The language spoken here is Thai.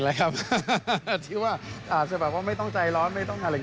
แล้วที่ว่าอาจจะแบบว่าไม่ต้องใจร้อนไม่ต้องอะไรอย่างนี้